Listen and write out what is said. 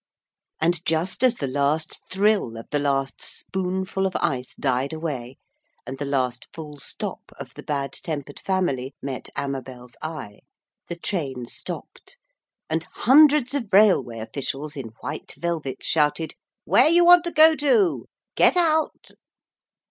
And just as the last thrill of the last spoonful of ice died away, and the last full stop of the Bad tempered Family met Amabel's eye, the train stopped, and hundreds of railway officials in white velvet shouted, 'Whereyouwantogoto! Get out!'